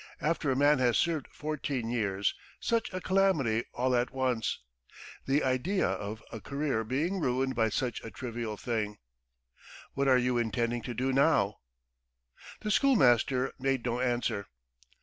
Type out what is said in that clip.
After a man has served fourteen years, such a calamity all at once! The idea of a career being ruined by such a trivial thing. What are you intending to do now?" The schoolmaster made no answer.